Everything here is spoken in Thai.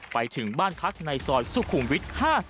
ไปถึงบ้านพักในซอยสุขุมวิทย์๕๐